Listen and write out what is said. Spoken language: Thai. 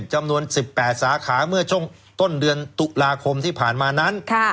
จำนวน๑๘สาขาเมื่อช่วงต้นเดือนตุลาคมที่ผ่านมานั้น